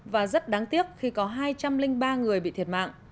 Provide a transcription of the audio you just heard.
và rất đáng tiếc khi có hai trăm linh ba người bị thiệt mạng